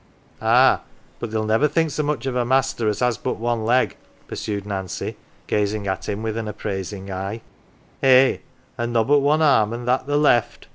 " Ah, but they'll niver think so much of a master as 100 NANCY has but one leg," pursued Nancy, gazing at him with an appraising eye. " Eh, an' nobbut one arm, an' that the left